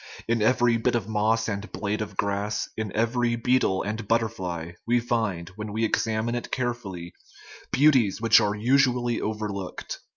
In every bit of moss and blade of grass, in every beetle and butterfly, we find, when we exam ine it carefully, beauties which are usually overlooked.